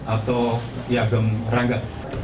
atau yagem rangga